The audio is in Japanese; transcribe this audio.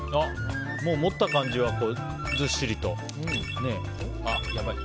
もう、持った感じはずっしりと。